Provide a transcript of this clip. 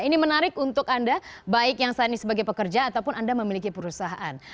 ini menarik untuk anda baik yang saat ini sebagai pekerja ataupun anda memiliki perusahaan